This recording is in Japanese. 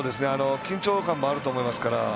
緊張感もあると思いますから。